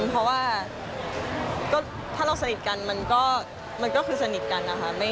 เพราะว่าถ้าเราสนิทกันมันก็คือสนิทกันนะคะ